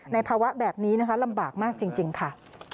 ภาวะแบบนี้นะคะลำบากมากจริงค่ะ